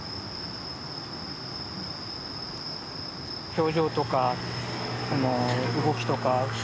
表情とか動きとか。